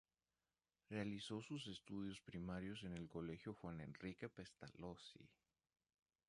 Realizó sus estudios primarios en el colegio Juan Enrique Pestalozzi.